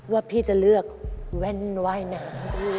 ว่าพี่จะเลือกแว่นว่ายน้ำ